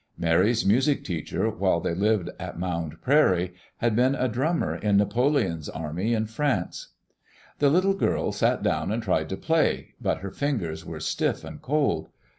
Mary's music teacher, while they lived at Mound Prairie, had been a drummer in Napoleon's army in France. The little girl sat down and tried to play; but her fingers were stiff and cold.